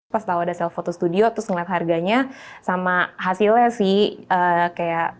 pas tau ada sel foto studio terus ngeliat harganya sama hasilnya sih kayak